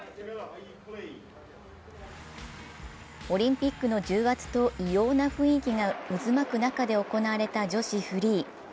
オリンピックの重圧と異様な雰囲気が渦巻く中で行われた女子フリー。